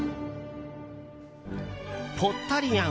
ポッタリアン